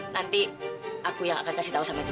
nanti aku yang akan kasih tahu sama itu